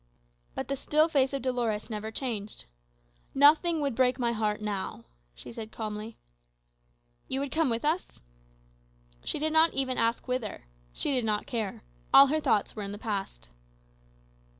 But the still face of Dolores never changed. "Nothing would break my heart now," she said calmly. "You would come with us?" She did not even ask whither. She did not care: all her thoughts were in the past.